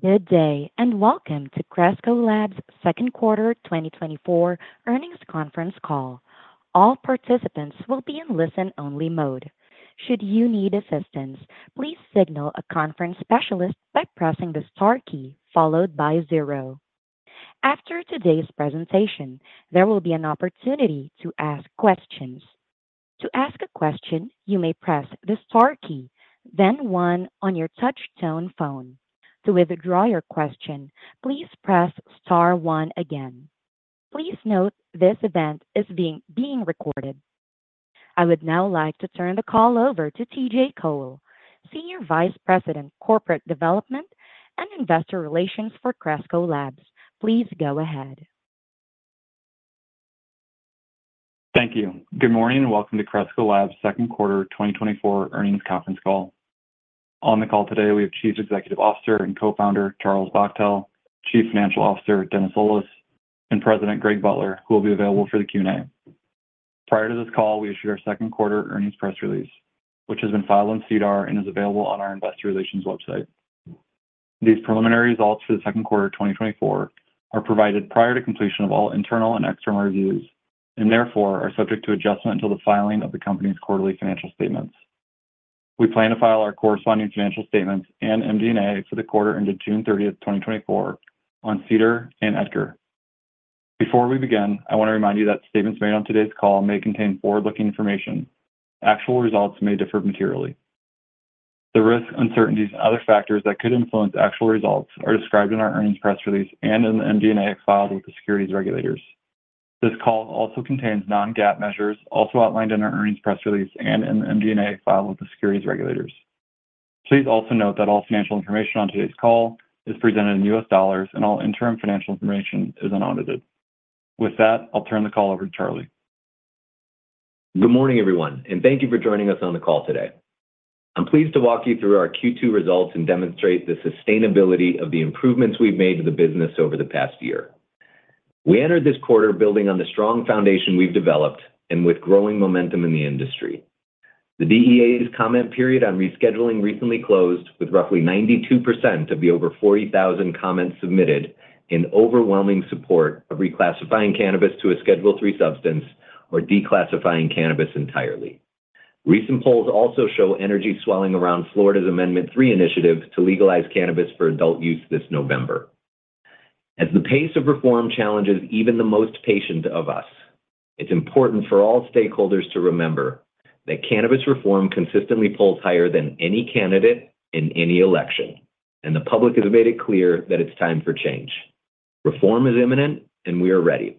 Good day, and welcome to Cresco Labs' second quarter 2024 earnings conference call. All participants will be in listen-only mode. Should you need assistance, please signal a conference specialist by pressing the star key followed by zero. After today's presentation, there will be an opportunity to ask questions. To ask a question, you may press the star key, then one on your touchtone phone. To withdraw your question, please press star one again. Please note this event is being recorded. I would now like to turn the call over to TJ Cole, Senior Vice President, Corporate Development and Investor Relations for Cresco Labs. Please go ahead. Thank you. Good morning, and welcome to Cresco Labs' second quarter 2024 earnings conference call. On the call today, we have Chief Executive Officer and Co-Founder, Charles Bachtell, Chief Financial Officer, Dennis Olis, and President, Greg Butler, who will be available for the Q&A. Prior to this call, we issued our second quarter earnings press release, which has been filed in SEDAR and is available on our investor relations website. These preliminary results for the second quarter of 2024 are provided prior to completion of all internal and external reviews, and therefore, are subject to adjustment until the filing of the company's quarterly financial statements. We plan to file our corresponding financial statements and MD&A for the quarter ended June 30, 2024 on SEDAR and EDGAR. Before we begin, I want to remind you that statements made on today's call may contain forward-looking information. Actual results may differ materially. The risks, uncertainties, and other factors that could influence actual results are described in our earnings press release and in the MD&A filed with the securities regulators. This call also contains non-GAAP measures, also outlined in our earnings press release and in the MD&A filed with the securities regulators. Please also note that all financial information on today's call is presented in U.S. dollars, and all interim financial information is unaudited. With that, I'll turn the call over to Charlie. Good morning, everyone, and thank you for joining us on the call today. I'm pleased to walk you through our Q2 results and demonstrate the sustainability of the improvements we've made to the business over the past year. We entered this quarter building on the strong foundation we've developed and with growing momentum in the industry. The DEA's comment period on rescheduling recently closed, with roughly 92% of the over 40,000 comments submitted in overwhelming support of reclassifying cannabis to a Schedule III substance or declassifying cannabis entirely. Recent polls also show energy swelling around Florida's Amendment 3 initiative to legalize cannabis for adult-use this November. As the pace of reform challenges even the most patient of us, it's important for all stakeholders to remember that cannabis reform consistently polls higher than any candidate in any election, and the public has made it clear that it's time for change. Reform is imminent, and we are ready.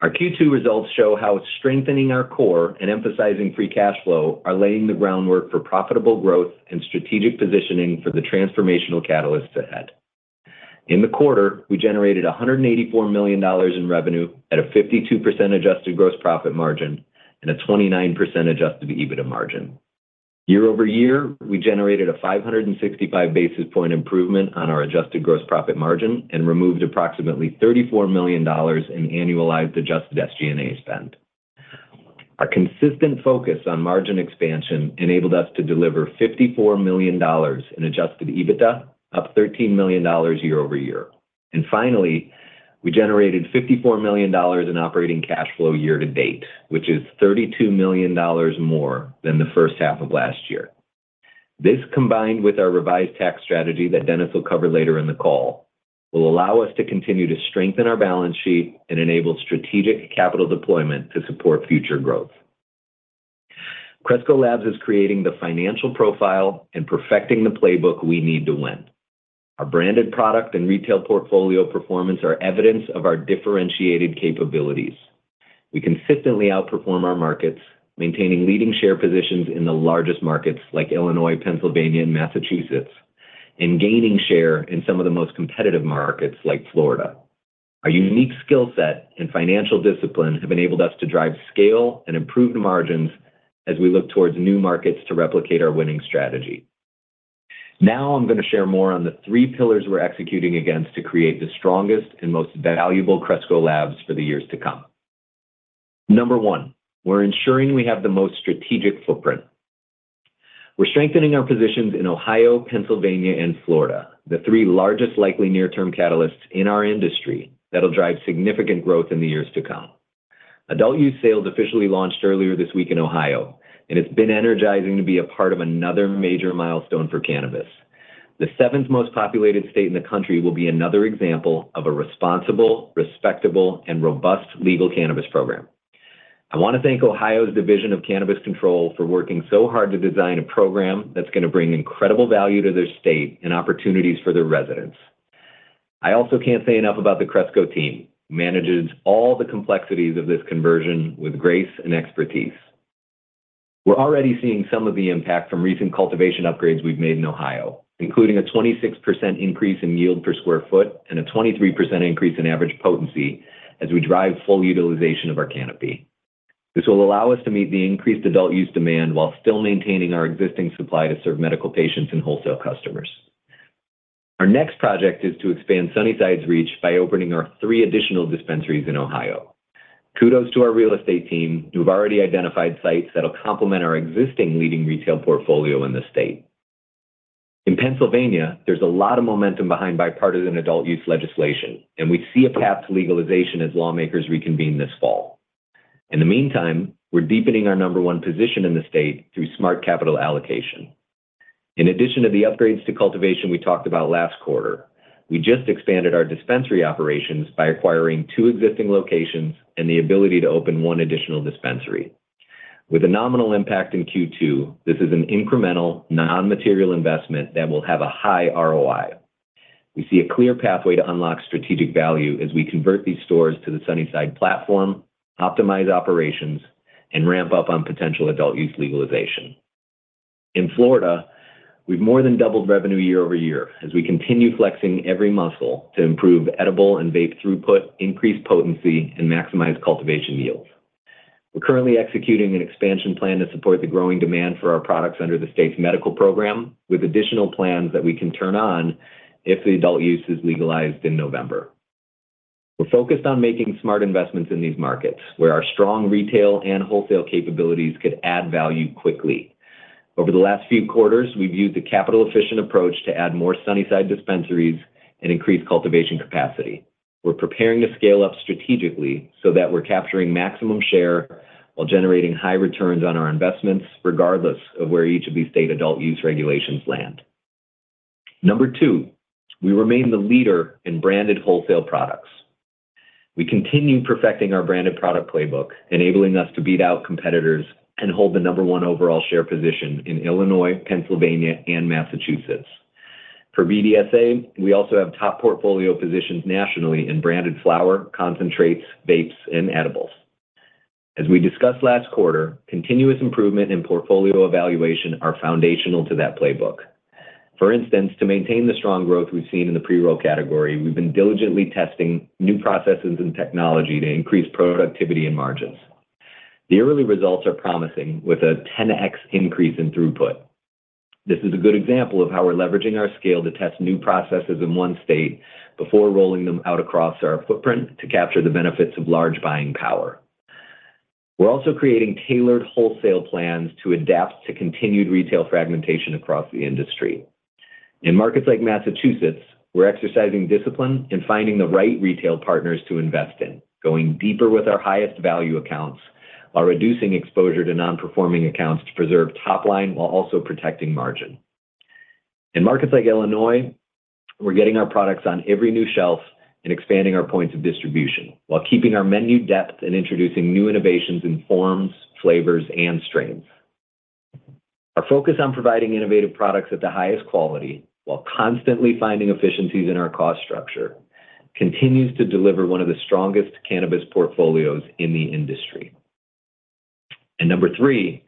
Our Q2 results show how strengthening our core and emphasizing free cash flow are laying the groundwork for profitable growth and strategic positioning for the transformational catalysts ahead. In the quarter, we generated $184 million in revenue at a 52% adjusted gross profit margin and a 29% adjusted EBITDA margin. Year-over-year, we generated a 565 basis point improvement on our adjusted gross profit margin and removed approximately $34 million in annualized adjusted SG&A spend. Our consistent focus on margin expansion enabled us to deliver $54 million in adjusted EBITDA, up $13 million year-over-year. Finally, we generated $54 million in operating cash flow year to date, which is $32 million more than the first half of last year. This, combined with our revised tax strategy that Dennis will cover later in the call, will allow us to continue to strengthen our balance sheet and enable strategic capital deployment to support future growth. Cresco Labs is creating the financial profile and perfecting the playbook we need to win. Our branded product and retail portfolio performance are evidence of our differentiated capabilities. We consistently outperform our markets, maintaining leading share positions in the largest markets like Illinois, Pennsylvania, and Massachusetts, and gaining share in some of the most competitive markets, like Florida. Our unique skill set and financial discipline have enabled us to drive scale and improve margins as we look towards new markets to replicate our winning strategy. Now I'm going to share more on the three pillars we're executing against to create the strongest and most valuable Cresco Labs for the years to come. Number one, we're ensuring we have the most strategic footprint. We're strengthening our positions in Ohio, Pennsylvania, and Florida, the three largest likely near-term catalysts in our industry that'll drive significant growth in the years to come. Adult-use sales officially launched earlier this week in Ohio, and it's been energizing to be a part of another major milestone for cannabis. The seventh most populated state in the country will be another example of a responsible, respectable, and robust legal cannabis program. I want to thank Ohio's Division of Cannabis Control for working so hard to design a program that's going to bring incredible value to their state and opportunities for their residents. I also can't say enough about the Cresco team, who manages all the complexities of this conversion with grace and expertise. We're already seeing some of the impact from recent cultivation upgrades we've made in Ohio, including a 26% increase in yield per sq ft and a 23% increase in average potency as we drive full utilization of our canopy. This will allow us to meet the increased adult-use demand while still maintaining our existing supply to serve medical patients and wholesale customers. Our next project is to expand Sunnyside's reach by opening our three additional dispensaries in Ohio. Kudos to our real estate team, who've already identified sites that'll complement our existing leading retail portfolio in the state. In Pennsylvania, there's a lot of momentum behind bipartisan adult-use legislation, and we see a path to legalization as lawmakers reconvene this fall. In the meantime, we're deepening our number one position in the state through smart capital allocation. In addition to the upgrades to cultivation we talked about last quarter, we just expanded our dispensary operations by acquiring two existing locations and the ability to open one additional dispensary. With a nominal impact in Q2, this is an incremental, non-material investment that will have a high ROI. We see a clear pathway to unlock strategic value as we convert these stores to the Sunnyside platform, optimize operations, and ramp up on potential adult-use legalization. In Florida, we've more than doubled revenue year-over-year as we continue flexing every muscle to improve edible and vape throughput, increase potency, and maximize cultivation yields. We're currently executing an expansion plan to support the growing demand for our products under the state's medical program, with additional plans that we can turn on if the adult-use is legalized in November. We're focused on making smart investments in these markets, where our strong retail and wholesale capabilities could add value quickly. Over the last few quarters, we've used a capital-efficient approach to add more Sunnyside dispensaries and increase cultivation capacity. We're preparing to scale up strategically so that we're capturing maximum share while generating high returns on our investments, regardless of where each of these state adult-use regulations land. Number two, we remain the leader in branded wholesale products. We continue perfecting our branded product playbook, enabling us to beat out competitors and hold the number one overall share position in Illinois, Pennsylvania, and Massachusetts. For BDSA, we also have top portfolio positions nationally in branded flower, concentrates, vapes, and edibles. As we discussed last quarter, continuous improvement in portfolio evaluation are foundational to that playbook. For instance, to maintain the strong growth we've seen in the pre-roll category, we've been diligently testing new processes and technology to increase productivity and margins. The early results are promising, with a 10x increase in throughput. This is a good example of how we're leveraging our scale to test new processes in one state before rolling them out across our footprint to capture the benefits of large buying power. We're also creating tailored wholesale plans to adapt to continued retail fragmentation across the industry. In markets like Massachusetts, we're exercising discipline and finding the right retail partners to invest in, going deeper with our highest value accounts while reducing exposure to non-performing accounts to preserve top line while also protecting margin. In markets like Illinois, we're getting our products on every new shelf and expanding our points of distribution while keeping our menu depth and introducing new innovations in forms, flavors, and strains. Our focus on providing innovative products at the highest quality, while constantly finding efficiencies in our cost structure, continues to deliver one of the strongest cannabis portfolios in the industry. And number three,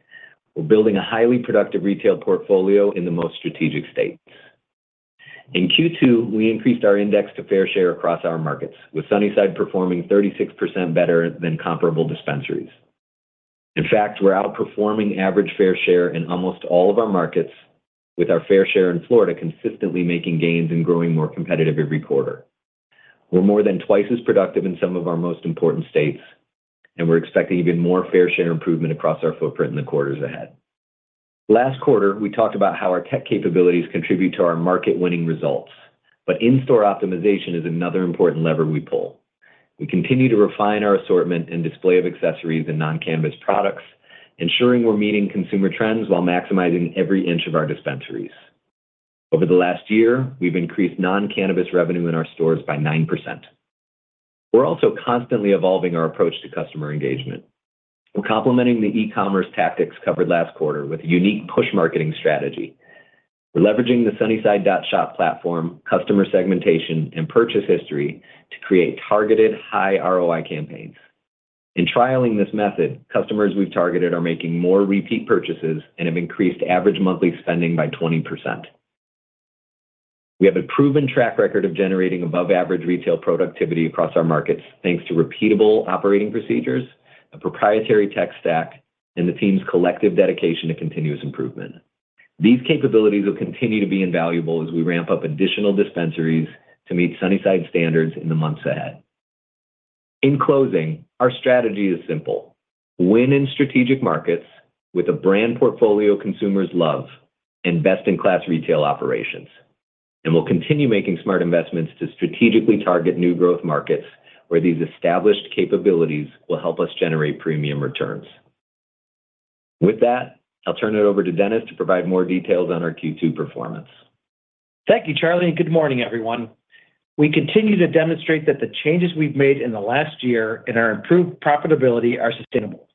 we're building a highly productive retail portfolio in the most strategic states. In Q2, we increased our index to fair share across our markets, with Sunnyside performing 36% better than comparable dispensaries. In fact, we're outperforming average fair share in almost all of our markets, with our fair share in Florida consistently making gains and growing more competitive every quarter. We're more than twice as productive in some of our most important states, and we're expecting even more fair share improvement across our footprint in the quarters ahead. Last quarter, we talked about how our tech capabilities contribute to our market-winning results, but in-store optimization is another important lever we pull. We continue to refine our assortment and display of accessories and non-cannabis products, ensuring we're meeting consumer trends while maximizing every inch of our dispensaries. Over the last year, we've increased non-cannabis revenue in our stores by 9%. We're also constantly evolving our approach to customer engagement. We're complementing the e-commerce tactics covered last quarter with a unique push marketing strategy. We're leveraging the sunnyside.shop platform, customer segmentation, and purchase history to create targeted, high ROI campaigns. In trialing this method, customers we've targeted are making more repeat purchases and have increased average monthly spending by 20%. We have a proven track record of generating above average retail productivity across our markets, thanks to repeatable operating procedures, a proprietary tech stack, and the team's collective dedication to continuous improvement. These capabilities will continue to be invaluable as we ramp up additional dispensaries to meet Sunnyside standards in the months ahead. In closing, our strategy is simple: win in strategic markets with a brand portfolio consumers love and best-in-class retail operations. We'll continue making smart investments to strategically target new growth markets, where these established capabilities will help us generate premium returns. With that, I'll turn it over to Dennis to provide more details on our Q2 performance. Thank you, Charlie, and good morning, everyone. We continue to demonstrate that the changes we've made in the last year and our improved profitability are sustainable.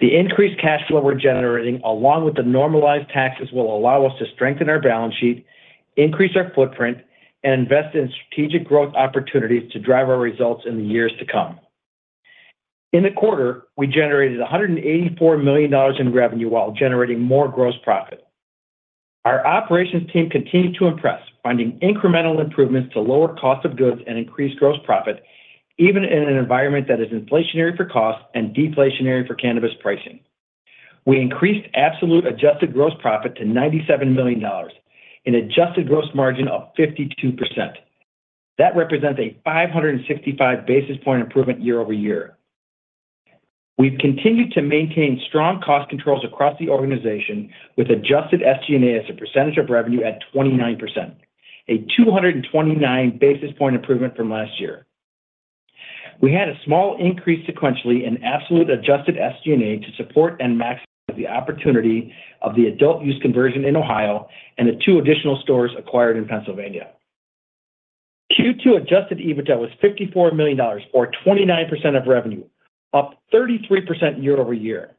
The increased cash flow we're generating, along with the normalized taxes, will allow us to strengthen our balance sheet, increase our footprint, and invest in strategic growth opportunities to drive our results in the years to come. In the quarter, we generated $184 million in revenue while generating more gross profit. Our operations team continued to impress, finding incremental improvements to lower cost of goods and increase gross profit, even in an environment that is inflationary for cost and deflationary for cannabis pricing. We increased absolute adjusted gross profit to $97 million, an adjusted gross margin of 52%. That represents a 565 basis point improvement year-over-year. We've continued to maintain strong cost controls across the organization, with adjusted SG&A as a percentage of revenue at 29%, a 229 basis point improvement from last year. We had a small increase sequentially in absolute adjusted SG&A to support and maximize the opportunity of the adult-use conversion in Ohio and the two additional stores acquired in Pennsylvania. Q2 adjusted EBITDA was $54 million, or 29% of revenue, up 33% year-over-year.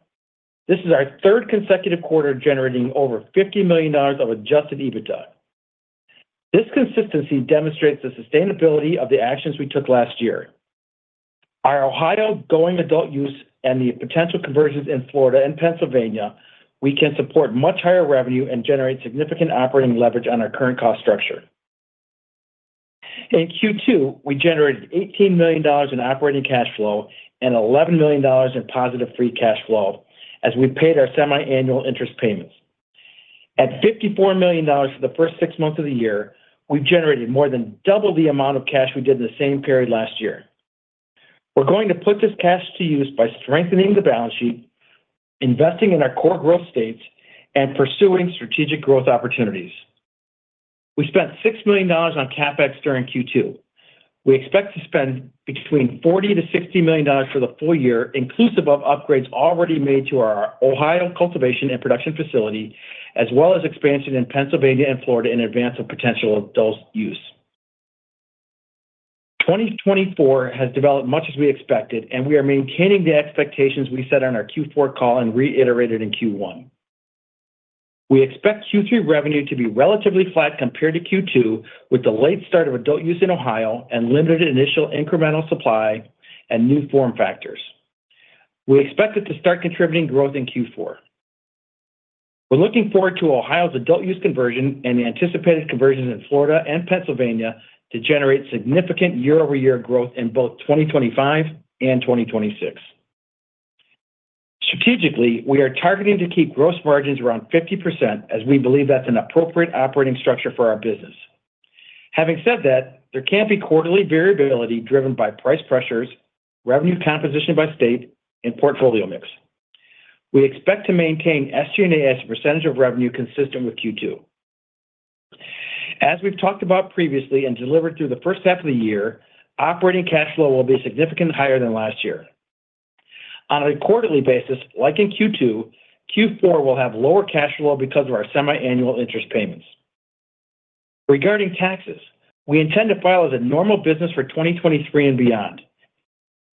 This is our third consecutive quarter, generating over $50 million of adjusted EBITDA. This consistency demonstrates the sustainability of the actions we took last year. Our Ohio going adult-use and the potential conversions in Florida and Pennsylvania, we can support much higher revenue and generate significant operating leverage on our current cost structure. In Q2, we generated $18 million in operating cash flow and $11 million in positive free cash flow as we paid our semiannual interest payments. At $54 million for the first six months of the year, we've generated more than double the amount of cash we did in the same period last year. We're going to put this cash to use by strengthening the balance sheet, investing in our core growth states, and pursuing strategic growth opportunities. We spent $6 million on CapEx during Q2. We expect to spend between $40 million-$60 million for the full year, inclusive of upgrades already made to our Ohio cultivation and production facility, as well as expansion in Pennsylvania and Florida in advance of potential adult-use. 2024 has developed much as we expected, and we are maintaining the expectations we set on our Q4 call and reiterated in Q1. We expect Q3 revenue to be relatively flat compared to Q2, with the late start of adult-use in Ohio and limited initial incremental supply and new form factors. We expect it to start contributing growth in Q4. We're looking forward to Ohio's adult-use conversion and the anticipated conversions in Florida and Pennsylvania to generate significant year-over-year growth in both 2025 and 2026. Strategically, we are targeting to keep gross margins around 50% as we believe that's an appropriate operating structure for our business. Having said that, there can be quarterly variability driven by price pressures, revenue composition by state, and portfolio mix. We expect to maintain SG&A as a percentage of revenue consistent with Q2. As we've talked about previously and delivered through the first half of the year, operating cash flow will be significantly higher than last year. On a quarterly basis, like in Q2, Q4 will have lower cash flow because of our semiannual interest payments. Regarding taxes, we intend to file as a normal business for 2023 and beyond.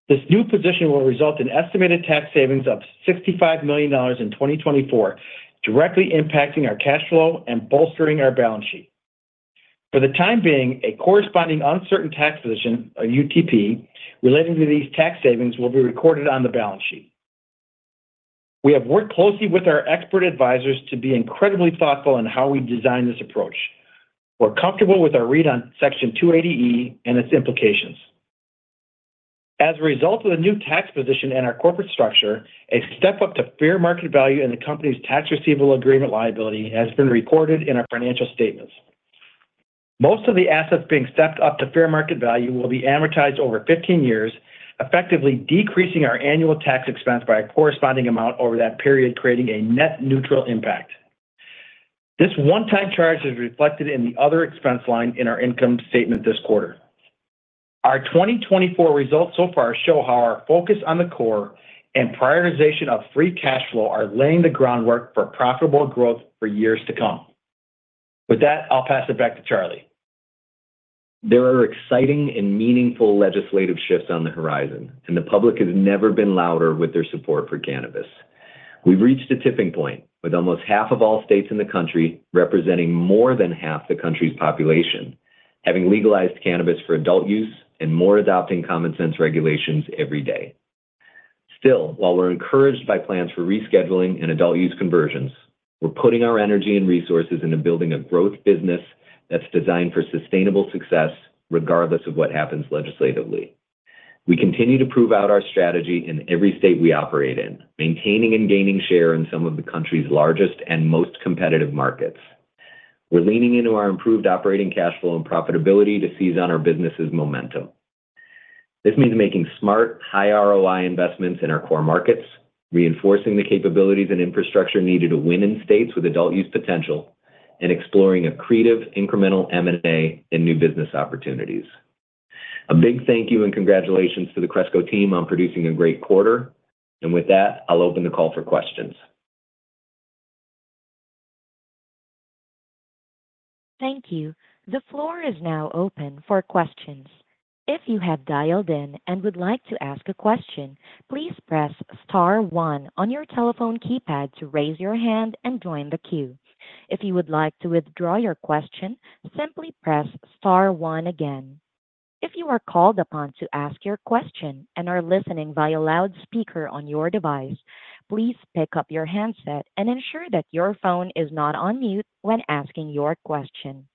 This new position will result in estimated tax savings of $65 million in 2024, directly impacting our cash flow and bolstering our balance sheet. For the time being, a corresponding uncertain tax position, a UTP, relating to these tax savings will be recorded on the balance sheet. We have worked closely with our expert advisors to be incredibly thoughtful in how we design this approach. We're comfortable with our read on Section 280E and its implications. As a result of the new tax position and our corporate structure, a step-up to fair market value in the company's tax receivable agreement liability has been recorded in our financial statements. Most of the assets being stepped up to fair market value will be amortized over 15 years, effectively decreasing our annual tax expense by a corresponding amount over that period, creating a net neutral impact. This one-time charge is reflected in the other expense line in our income statement this quarter. Our 2024 results so far show how our focus on the core and prioritization of free cash flow are laying the groundwork for profitable growth for years to come. With that, I'll pass it back to Charlie. There are exciting and meaningful legislative shifts on the horizon, and the public has never been louder with their support for cannabis. We've reached a tipping point, with almost half of all states in the country, representing more than half the country's population, having legalized cannabis for adult-use and more adopting common-sense regulations every day. Still, while we're encouraged by plans for rescheduling and adult-use conversions, we're putting our energy and resources into building a growth business that's designed for sustainable success, regardless of what happens legislatively. We continue to prove out our strategy in every state we operate in, maintaining and gaining share in some of the country's largest and most competitive markets. We're leaning into our improved operating cash flow and profitability to seize on our business's momentum. This means making smart, high ROI investments in our core markets, reinforcing the capabilities and infrastructure needed to win in states with adult-use potential, and exploring accretive, incremental M&A and new business opportunities. A big thank you and congratulations to the Cresco team on producing a great quarter. And with that, I'll open the call for questions. Thank you. The floor is now open for questions. If you have dialed in and would like to ask a question, please press star one on your telephone keypad to raise your hand and join the queue. If you would like to withdraw your question, simply press star one again. If you are called upon to ask your question and are listening via loudspeaker on your device, please pick up your handset and ensure that your phone is not on mute when asking your question.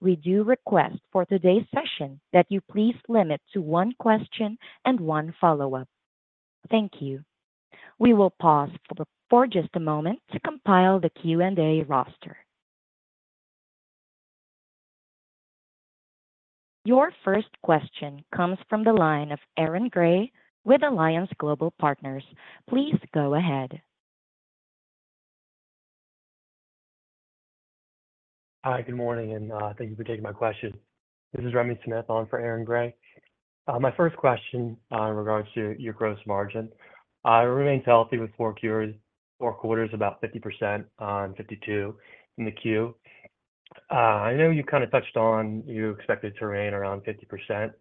We do request for today's session that you please limit to one question and one follow-up. Thank you. We will pause for just a moment to compile the Q&A roster. Your first question comes from the line of Aaron Grey with Alliance Global Partners. Please go ahead. Hi, good morning, and thank you for taking my question. This is Remi Smith on for Aaron Grey. My first question, in regards to your gross margin, it remains healthy for four quarters, about 50% or 52% in the Q. I know you kind of touched on you expected to remain around 50%,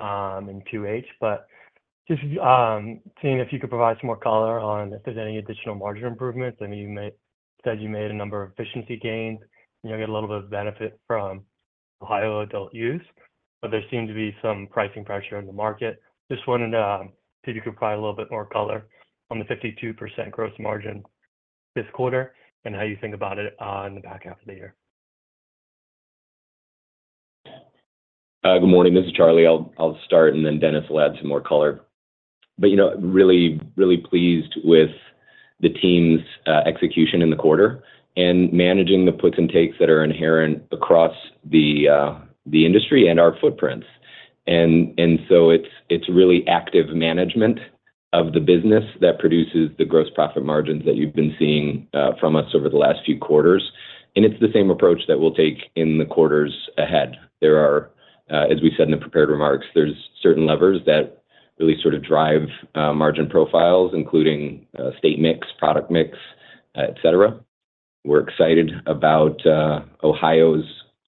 in 2H, but just seeing if you could provide some more color on if there's any additional margin improvements. I mean, you made, said you made a number of efficiency gains, and you'll get a little bit of benefit from Ohio adult-use, but there seemed to be some pricing pressure in the market. Just wanted if you could provide a little bit more color on the 52% gross margin this quarter, and how you think about it in the back half of the year? Good morning, this is Charlie. I'll start, and then Dennis will add some more color. But, you know, really, really pleased with the team's execution in the quarter and managing the puts and takes that are inherent across the industry and our footprints. And so it's really active management of the business that produces the gross profit margins that you've been seeing from us over the last few quarters, and it's the same approach that we'll take in the quarters ahead. There are, as we said in the prepared remarks, certain levers that really sort of drive margin profiles, including state mix, product mix, et cetera. We're excited about Ohio's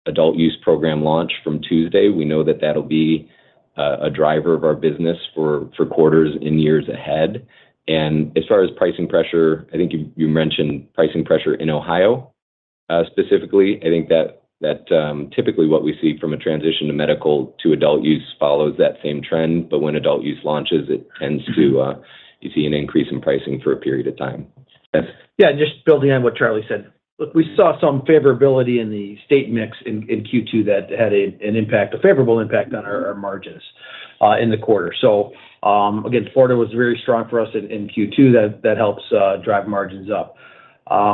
adult-use program launch from Tuesday. We know that that'll be a driver of our business for quarters and years ahead. As far as pricing pressure, I think you mentioned pricing pressure in Ohio. Specifically, I think that typically what we see from a transition to medical to adult-use follows that same trend, but when adult-use launches, it tends to, you see, an increase in pricing for a period of time. Yes. Yeah, just building on what Charlie said. Look, we saw some favorability in the state mix in Q2 that had a favorable impact on our margins in the quarter. So, again, Florida was very strong for us in Q2. That helps drive margins up.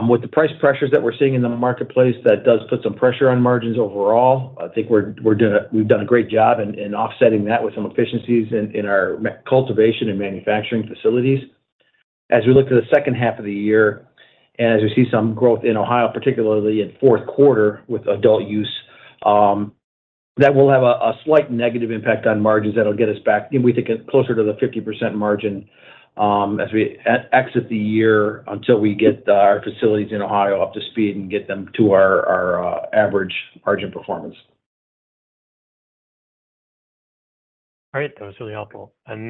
With the price pressures that we're seeing in the marketplace, that does put some pressure on margins overall. I think we've done a great job in offsetting that with some efficiencies in our manufacturing and cultivation facilities. As we look to the second half of the year, and as we see some growth in Ohio, particularly in fourth quarter with adult-use, that will have a slight negative impact on margins that'll get us back, and we think closer to the 50% margin, as we exit the year, until we get our facilities in Ohio up to speed and get them to our average margin performance. All right. That was really helpful. Then,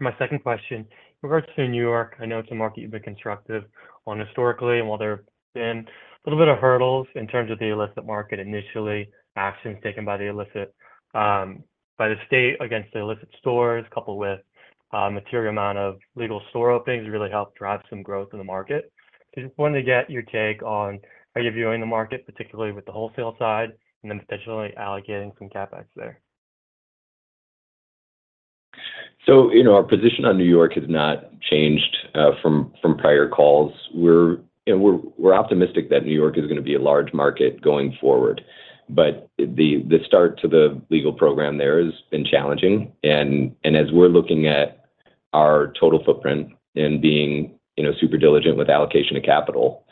my second question, in regards to New York, I know it's a market you've been constructive on historically, and while there have been a little bit of hurdles in terms of the illicit market, initially, actions taken by the illicit, by the state against the illicit stores, coupled with, material amount of legal store openings, really helped drive some growth in the market. Just wanted to get your take on, are you viewing the market, particularly with the wholesale side, and then potentially allocating some CapEx there? So, you know, our position on New York has not changed from prior calls. We're optimistic that New York is gonna be a large market going forward, but the start to the legal program there has been challenging. And as we're looking at our total footprint and being, you know, super diligent with allocation of capital,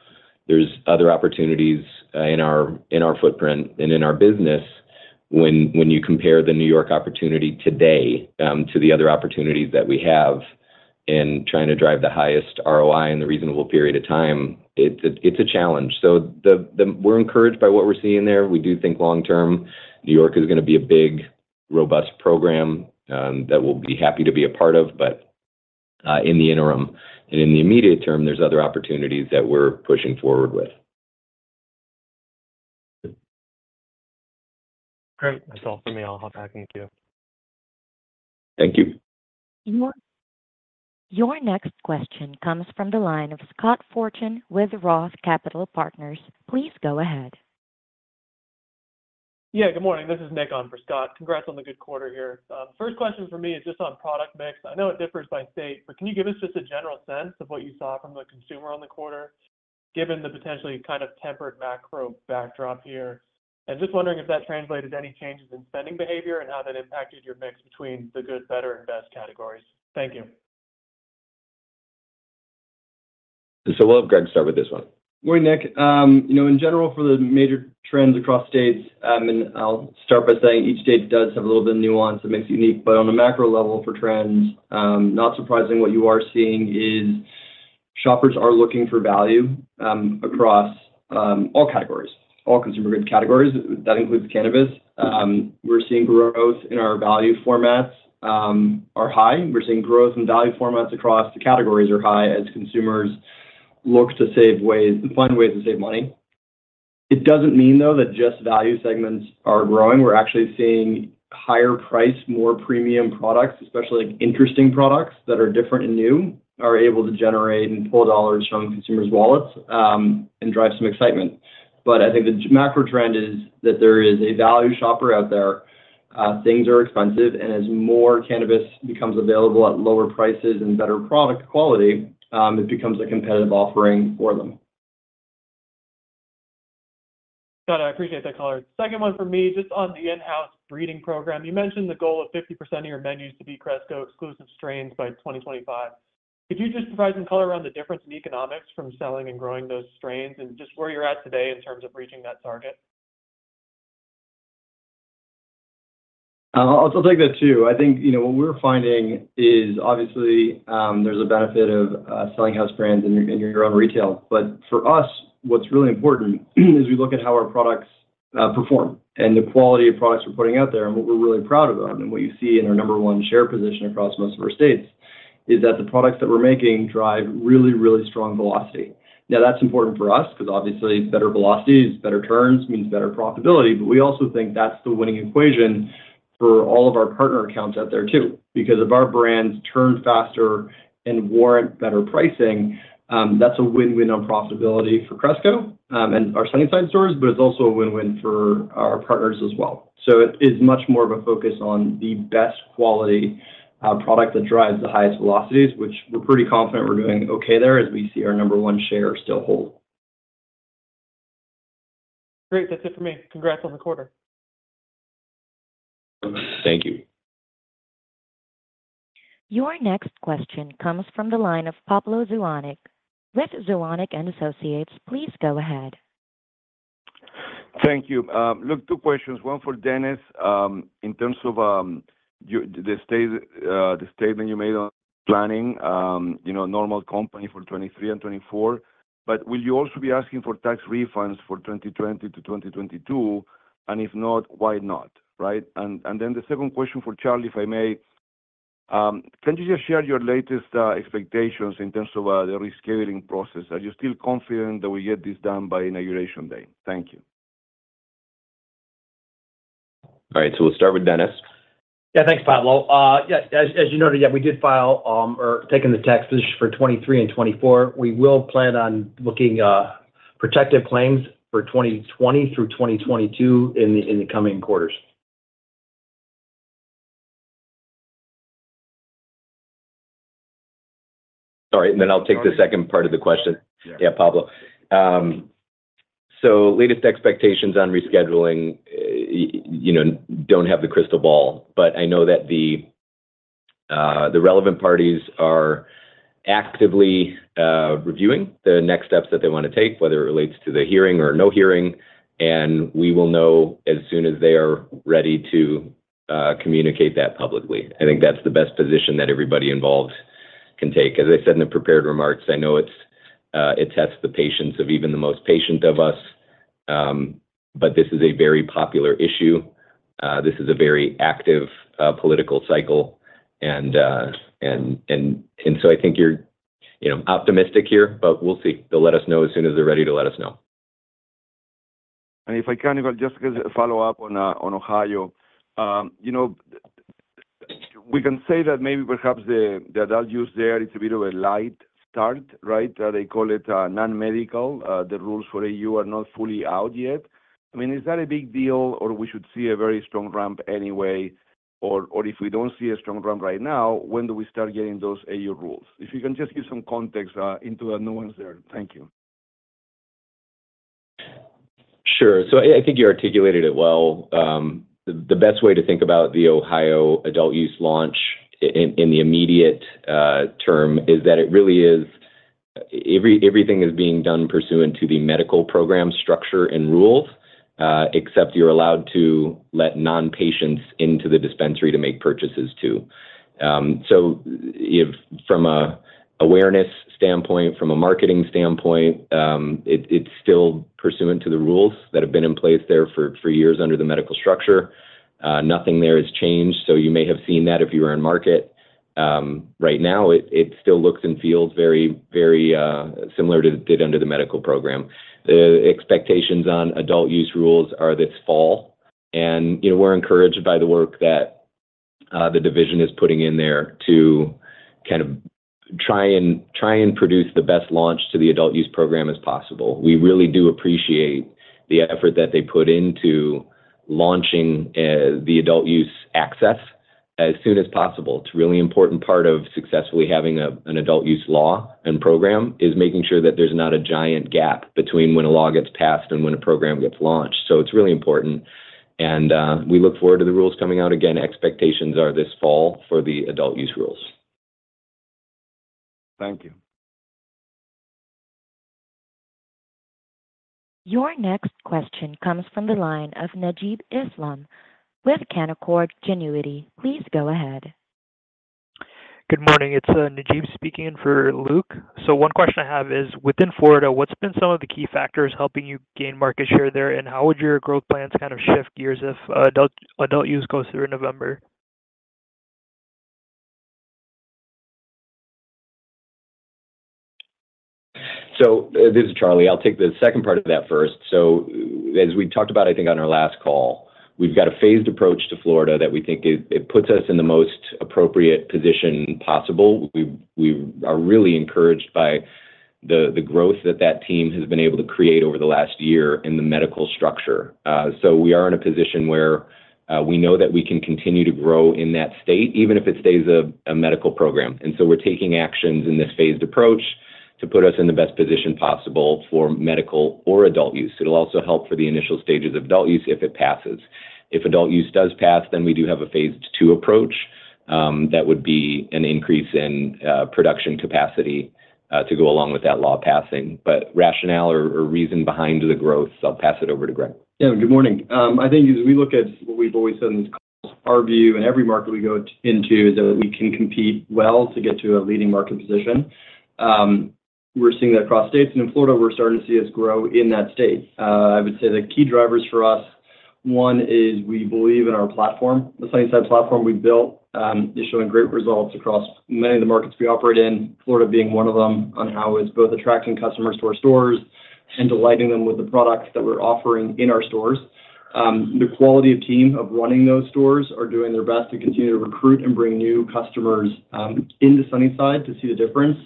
there's other opportunities in our footprint and in our business. When you compare the New York opportunity today to the other opportunities that we have in trying to drive the highest ROI in the reasonable period of time, it's a challenge. So we're encouraged by what we're seeing there. We do think long term, New York is gonna be a big, robust program that we'll be happy to be a part of, but in the interim, and in the immediate term, there's other opportunities that we're pushing forward with. Great. That's all for me. I'll hop back into queue. Thank you. Your next question comes from the line of Scott Fortune with Roth Capital Partners. Please go ahead. Yeah, good morning. This is Nick on for Scott. Congrats on the good quarter here. First question for me is just on product mix. I know it differs by state, but can you give us just a general sense of what you saw from the consumer on the quarter, given the potentially kind of tempered macro backdrop here? And just wondering if that translated any changes in spending behavior, and how that impacted your mix between the good, better, and best categories. Thank you. We'll have Greg start with this one. Good morning, Nick. You know, in general, for the major trends across states, and I'll start by saying each state does have a little bit of nuance that makes it unique, but on a macro level for trends, not surprising, what you are seeing is shoppers are looking for value, across all categories, all consumer goods categories. That includes cannabis. We're seeing growth in our value formats, are high. We're seeing growth in value formats across the categories are high as consumers look to find ways to save money. It doesn't mean, though, that just value segments are growing. We're actually seeing higher price, more premium products, especially like interesting products that are different and new, are able to generate and pull dollars from consumers' wallets, and drive some excitement. But I think the macro trend is that there is a value shopper out there. Things are expensive, and as more cannabis becomes available at lower prices and better product quality, it becomes a competitive offering for them. Got it. I appreciate that color. Second one for me, just on the in-house breeding program. You mentioned the goal of 50% of your menus to be Cresco exclusive strains by 2025. Could you just provide some color around the difference in economics from selling and growing those strains and just where you're at today in terms of reaching that target? I'll take that, too. I think, you know, what we're finding is, obviously, there's a benefit of selling house brands in your, in your own retail. But for us, what's really important is we look at how our products perform and the quality of products we're putting out there and what we're really proud of them. And what you see in our number one share position across most of our states, is that the products that we're making drive really, really strong velocity. Now, that's important for us, 'cause obviously, better velocity is better turns, means better profitability. But we also think that's the winning equation for all of our partner accounts out there, too. Because if our brands turn faster and warrant better pricing, that's a win-win on profitability for Cresco, and our Sunnyside stores, but it's also a win-win for our partners as well. So it is much more of a focus on the best quality product that drives the highest velocities, which we're pretty confident we're doing okay there, as we see our number one share still hold. Great. That's it for me. Congrats on the quarter. Thank you. Your next question comes from the line of Pablo Zuanic with Zuanic & Associates. Please go ahead. Thank you. Look, two questions. One for Dennis. In terms of the state, the statement you made on planning, you know, normal company for 2023 and 2024, but will you also be asking for tax refunds for 2020 to 2022? And if not, why not, right? And then the second question for Charlie, if I may. Can you just share your latest expectations in terms of the rescheduling process? Are you still confident that we get this done by inauguration day? Thank you. All right, so we'll start with Dennis. Yeah. Thanks, Pablo. Yeah, as you noted, yeah, we did file or taken the tax position for 2023 and 2024. We will plan on looking protective claims for 2020 through 2022 in the coming quarters. Sorry, and then I'll take the second part of the question. Yeah. Yeah, Pablo. So latest expectations on rescheduling, you know, don't have the crystal ball, but I know that the relevant parties are actively reviewing the next steps that they want to take, whether it relates to the hearing or no hearing, and we will know as soon as they are ready to communicate that publicly. I think that's the best position that everybody involved can take. As I said in the prepared remarks, I know it tests the patience of even the most patient of us, but this is a very popular issue. This is a very active political cycle, and so I think you're, you know, optimistic here, but we'll see. They'll let us know as soon as they're ready to let us know. And if I can just get a follow-up on Ohio. You know, we can say that maybe perhaps the adult-use there is a bit of a light start, right? They call it non-medical. The rules for AU are not fully out yet. I mean, is that a big deal, or we should see a very strong ramp anyway? Or if we don't see a strong ramp right now, when do we start getting those AU rules? If you can just give some context into the nuances there. Thank you. Sure. So I, I think you articulated it well. The, the best way to think about the Ohio adult-use launch in, in the immediate, term, is that it really is. Every, everything is being done pursuant to the medical program structure and rules, except you're allowed to let non-patients into the dispensary to make purchases, too. So if from an awareness standpoint, from a marketing standpoint, it, it's still pursuant to the rules that have been in place there for, for years under the medical structure. Nothing there has changed, so you may have seen that if you were in market. Right now, it, it still looks and feels very, very, similar to it did under the medical program. The expectations on adult-use rules are this fall, and, you know, we're encouraged by the work that the division is putting in there to kind of try and, try and produce the best launch to the adult-use program as possible. We really do appreciate the effort that they put into launching the adult-use access as soon as possible. It's a really important part of successfully having a, an adult-use law and program, is making sure that there's not a giant gap between when a law gets passed and when a program gets launched. So it's really important, and we look forward to the rules coming out. Again, expectations are this fall for the adult-use rules. Thank you. Your next question comes from the line of Najib Islam with Canaccord Genuity. Please go ahead. Good morning. It's Najib speaking in for Luke. So one question I have is, within Florida, what's been some of the key factors helping you gain market share there, and how would your growth plans kind of shift gears if adult-use goes through in November? So, this is Charlie. I'll take the second part of that first. So as we talked about, I think, on our last call, we've got a phased approach to Florida that we think it, it puts us in the most appropriate position possible. We, we are really encouraged by the, the growth that that team has been able to create over the last year in the medical structure. So we are in a position where, we know that we can continue to grow in that state, even if it stays a, a medical program. And so we're taking actions in this phased approach to put us in the best position possible for medical or adult-use. It'll also help for the initial stages of adult-use if it passes. If adult-use does pass, then we do have a phase II approach, that would be an increase in production capacity to go along with that law passing. But rationale or reason behind the growth, I'll pass it over to Greg. Yeah. Good morning. I think as we look at what we've always said, our view in every market we go into, is that we can compete well to get to a leading market position. We're seeing that across states, and in Florida, we're starting to see us grow in that state. I would say the key drivers for us, one, is we believe in our platform. The Sunnyside platform we've built, is showing great results across many of the markets we operate in, Florida being one of them, on how it's both attracting customers to our stores and delighting them with the products that we're offering in our stores. The quality of team of running those stores are doing their best to continue to recruit and bring new customers, into Sunnyside to see the difference.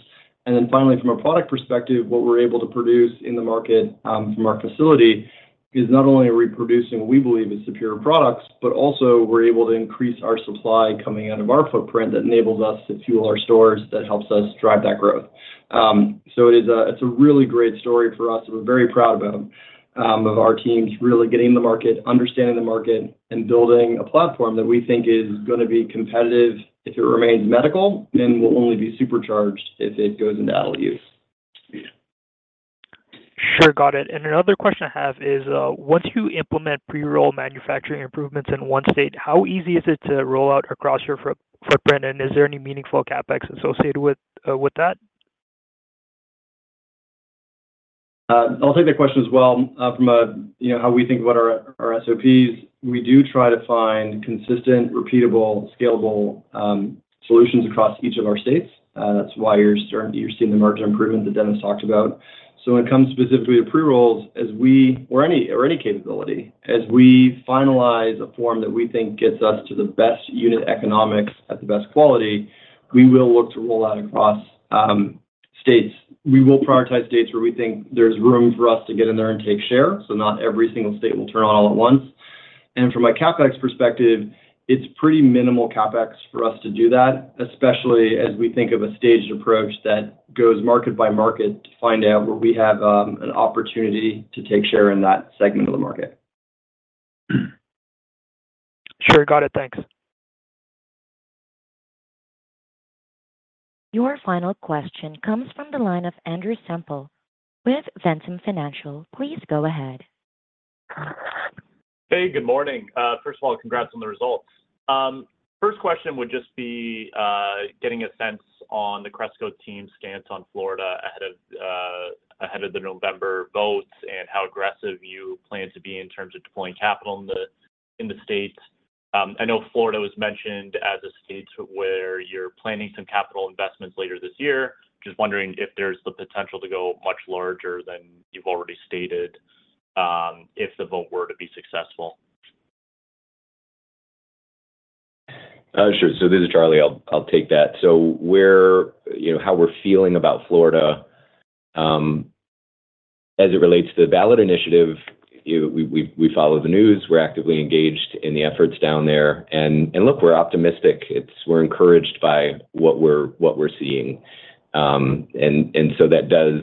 And then finally, from a product perspective, what we're able to produce in the market, from our facility is not only are we producing, we believe, is superior products, but also we're able to increase our supply coming out of our footprint that enables us to fuel our stores. That helps us drive that growth. So it is a, it's a really great story for us, and we're very proud about, of our teams really getting in the market, understanding the market, and building a platform that we think is gonna be competitive if it remains medical, and will only be supercharged if it goes into adult-use. Yeah. Sure. Got it. And another question I have is, once you implement pre-roll manufacturing improvements in one state, how easy is it to roll out across your footprint, and is there any meaningful CapEx associated with that? I'll take that question as well. From a, you know, how we think about our SOPs, we do try to find consistent, repeatable, scalable solutions across each of our states. That's why you're seeing the margin improvement that Dennis talked about. So when it comes specifically to pre-rolls, as we or any capability, as we finalize a form that we think gets us to the best unit economics at the best quality, we will look to roll out across states. We will prioritize states where we think there's room for us to get in there and take share, so not every single state will turn on all at once. From a CapEx perspective, it's pretty minimal CapEx for us to do that, especially as we think of a staged approach that goes market by market to find out where we have an opportunity to take share in that segment of the market. Sure. Got it. Thanks. Your final question comes from the line of Andrew Semple with Ventum Financial. Please go ahead. Hey, good morning. First of all, congrats on the results. First question would just be getting a sense on the Cresco team's stance on Florida ahead of the November votes, and how aggressive you plan to be in terms of deploying capital in the, in the state. I know Florida was mentioned as a state where you're planning some capital investments later this year. Just wondering if there's the potential to go much larger than you've already stated, if the vote were to be successful. Sure. So this is Charlie. I'll take that. So we're, you know how we're feeling about Florida, as it relates to the ballot initiative, we follow the news. We're actively engaged in the efforts down there, and look, we're optimistic. We're encouraged by what we're seeing. And, and so that does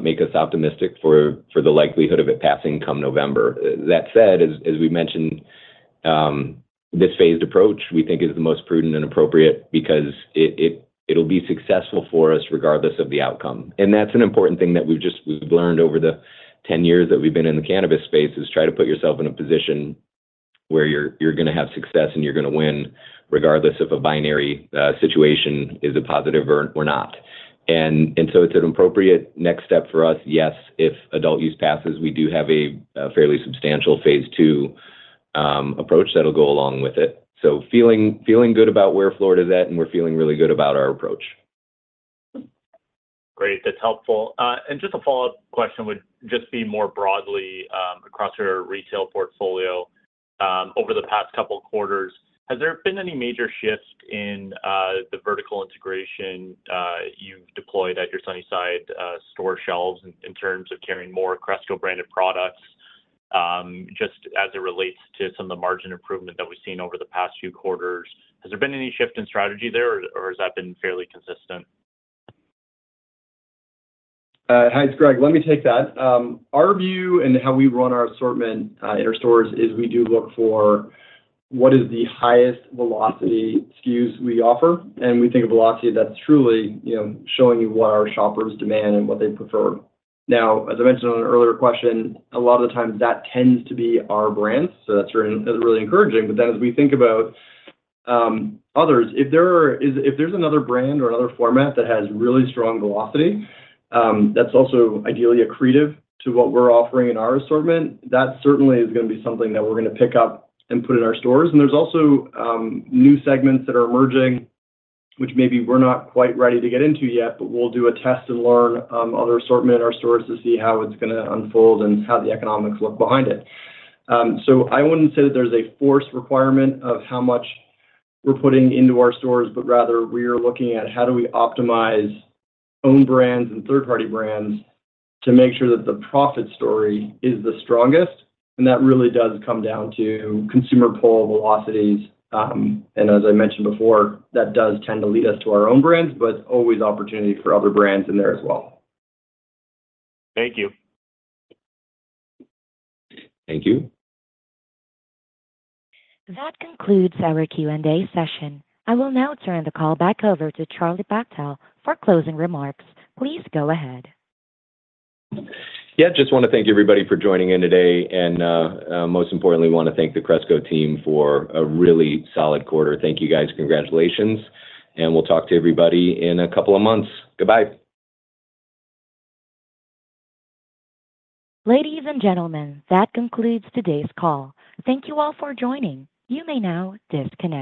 make us optimistic for, for the likelihood of it passing come November. That said, as, as we've mentioned, this phased approach we think is the most prudent and appropriate because it, it, it'll be successful for us regardless of the outcome. And that's an important thing that we've just, we've learned over the 10 years that we've been in the cannabis space, is try to put yourself in a position where you're, you're gonna have success and you're gonna win, regardless if a binary situation is a positive or, or not. And, and so it's an appropriate next step for us. Yes, if adult-use passes, we do have a, a fairly substantial phase II approach that'll go along with it. So feeling, feeling good about where Florida's at, and we're feeling really good about our approach. Great. That's helpful. And just a follow-up question would just be more broadly, across your retail portfolio. Over the past couple quarters, has there been any major shifts in, the vertical integration, you've deployed at your Sunnyside, store shelves in terms of carrying more Cresco-branded products, just as it relates to some of the margin improvement that we've seen over the past few quarters? Has there been any shift in strategy there, or, or has that been fairly consistent? Hi, it's Greg. Let me take that. Our view and how we run our assortment, in our stores is we do look for what is the highest velocity SKUs we offer, and we think of velocity that's truly, you know, showing you what our shoppers demand and what they prefer. Now, as I mentioned on an earlier question, a lot of the times that tends to be our brands, so that's really encouraging. But then as we think about others, if there's another brand or another format that has really strong velocity, that's also ideally accretive to what we're offering in our assortment, that certainly is gonna be something that we're gonna pick up and put in our stores. And there's also new segments that are emerging, which maybe we're not quite ready to get into yet, but we'll do a test and learn other assortment in our stores to see how it's gonna unfold and how the economics look behind it. So I wouldn't say that there's a forced requirement of how much we're putting into our stores, but rather we are looking at how do we optimize own brands and third-party brands to make sure that the profit story is the strongest, and that really does come down to consumer pull velocities. And as I mentioned before, that does tend to lead us to our own brands, but always opportunity for other brands in there as well. Thank you. Thank you. That concludes our Q&A session. I will now turn the call back over to Charlie Bachtell for closing remarks. Please go ahead. Yeah, just want to thank everybody for joining in today, and most importantly, want to thank the Cresco team for a really solid quarter. Thank you, guys. Congratulations, and we'll talk to everybody in a couple of months. Goodbye. Ladies and gentlemen, that concludes today's call. Thank you all for joining. You may now disconnect.